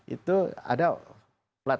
itu ada flat